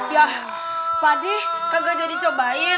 yah pak d kagak jadi cobain